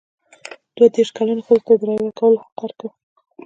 دوه دیرش کلنو ښځو ته د رایې ورکولو حق ورکړ.